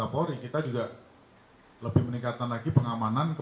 apakah ini juga jaringan cad juga pak